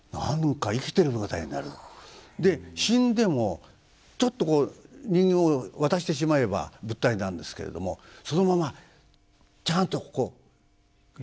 で死んでもちょっとこう人形を渡してしまえば物体なんですけれどもそのままちゃんとここ構えていれば生きているんですよ。